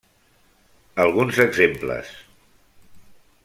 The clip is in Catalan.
Alguns exemples.